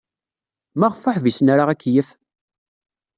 Maɣef ur ḥbisen ara akeyyef?